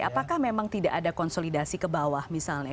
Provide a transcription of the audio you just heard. apakah memang tidak ada konsolidasi ke bawah misalnya